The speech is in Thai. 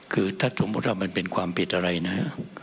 คือถ้าสมมุติว่ามันเป็นความผิดอะไรนะ